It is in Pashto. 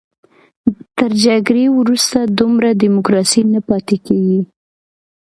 تر جګړې وروسته دومره ډیموکراسي نه پاتې کېږي.